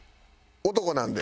「男なんで」。